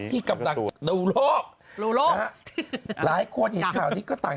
ที่กำลังดูโลกดูโลกนะฮะหลายคนเห็นข่าวนี้ก็ต่าง